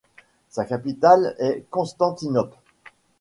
Sa capitale est Constantinople.